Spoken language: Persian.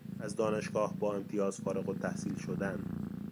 از دانشگاه با امتیاز فارغالتحصیل شدن